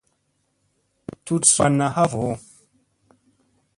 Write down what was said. Tut suu wann ha vooʼo.